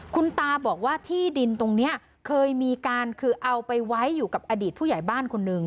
คุณตาบอกว่าที่ดินตรงนี้เคยมีการคือเอาไปไว้อยู่กับอดีตผู้ใหญ่บ้านคนหนึ่ง